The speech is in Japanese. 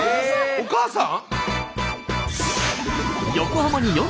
お母さん？